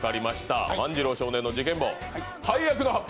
「万次郎少年の事件簿」、配役の発表